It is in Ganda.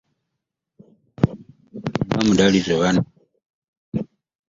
Kati nze mundese bbali nga mudalizo bannange?